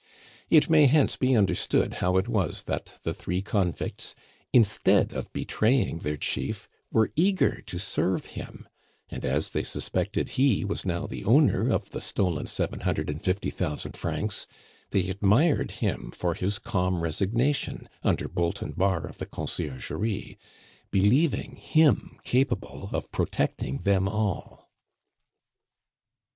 It may hence be understood how it was that the three convicts, instead of betraying their chief, were eager to serve him; and as they suspected he was now the owner of the stolen seven hundred and fifty thousand francs, they admired him for his calm resignation, under bolt and bar of the Conciergerie, believing him capable of protecting them all.